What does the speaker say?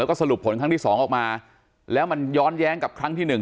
แล้วก็สรุปผลครั้งที่สองออกมาแล้วมันย้อนแย้งกับครั้งที่หนึ่ง